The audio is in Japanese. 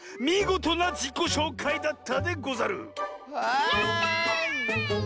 みごとなじこしょうかいだったでござる！